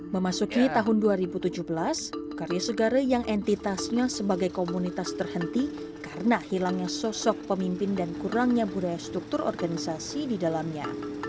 memasuki tahun dua ribu tujuh belas karya segare yang entitasnya sebagai komunitas terhenti karena hilangnya sosok pemimpin dan kurangnya budaya struktur organisasi di dalamnya